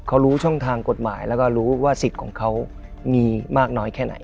เขารู้ช่องทางกฎหมายแล้วก็รู้ว่าสิทธิ์ของเขามีมากน้อยแค่ไหน